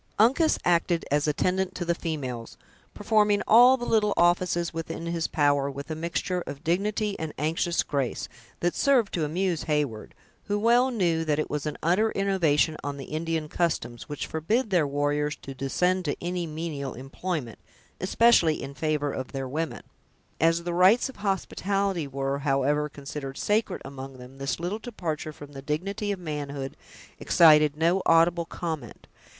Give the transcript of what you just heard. Uncas acted as attendant to the females, performing all the little offices within his power, with a mixture of dignity and anxious grace, that served to amuse Heyward, who well knew that it was an utter innovation on the Indian customs, which forbid their warriors to descend to any menial employment, especially in favor of their women. As the rights of hospitality were, however, considered sacred among them, this little departure from the dignity of manhood excited no audible comment.